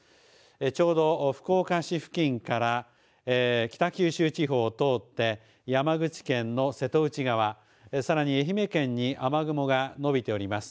ちょうど福岡市付近から北九州地方を通って山口県の瀬戸内側さらに愛媛県に雨雲が伸びております。